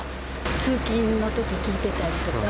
通勤のとき、聴いてたりとか。